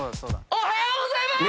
おはようございます！